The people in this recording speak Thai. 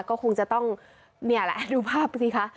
ก็คงจะต้องนี่แหละดูภาพสิคะ